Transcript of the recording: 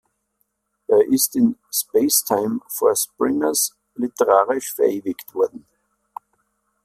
Er ist in ‚Space-Time for Springers‘ literarisch verewigt worden.